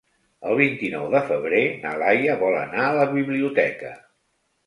El vint-i-nou de febrer na Laia vol anar a la biblioteca.